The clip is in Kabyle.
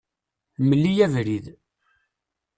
Mel-iyi abrid.